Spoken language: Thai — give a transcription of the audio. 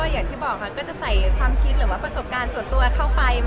อย่างที่บอกค่ะก็จะใส่ความคิดหรือว่าประสบการณ์ส่วนตัวเข้าไป